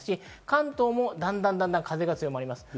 関東もだんだん風が強まります。